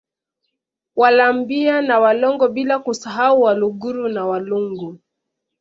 Walambya na Walongo bila kusahau Waluguru na Walungu